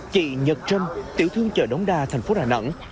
chị nhật trâm tiểu thương chợ đống đa thành phố đà nẵng